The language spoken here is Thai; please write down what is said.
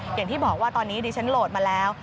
อย่างที่บอกว่าตอนนี้ดิฉันโหลดมาแล้ว